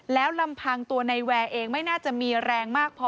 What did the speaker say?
แล้วลำพังตัวในแวร์เองไม่น่าจะมีแรงมากพอ